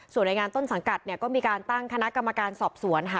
ส่วนในงานต้นสังกัดเนี่ยก็มีการตั้งคณะกรรมการสอบสวนค่ะ